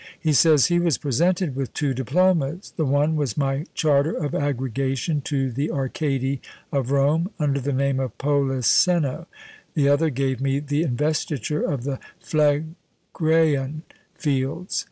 He says "He was presented with two diplomas; the one was my charter of aggregation to the Arcadi of Rome, under the name of Polisseno, the other gave me the investiture of the PhlegrÃḊan fields.